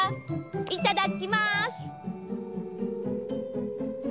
いただきます！